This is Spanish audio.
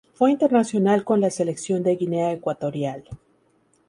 Fue internacional con la selección de Guinea Ecuatorial.